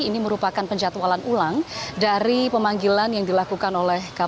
ini merupakan penjatualan ulang dari pemanggilan yang dilakukan oleh kpk